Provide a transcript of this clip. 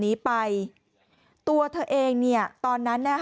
เดินไปตัวเธอเองตอนนั้น